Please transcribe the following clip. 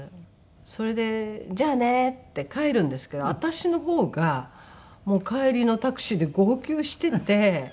それで「じゃあね」って帰るんですけど私の方が帰りのタクシーで号泣していて。